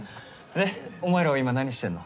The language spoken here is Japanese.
でお前らは今何してんの？